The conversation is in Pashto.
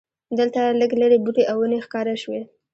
دلته لږ لرې بوټي او ونې ښکاره شوې.